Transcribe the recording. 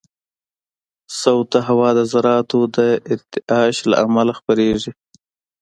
صوت د هوا د ذراتو د ارتعاش له امله خپرېږي.